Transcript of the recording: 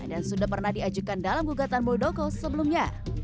dan sudah pernah diajukan dalam gugatan buldoko sebelumnya